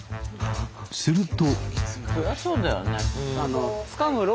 すると。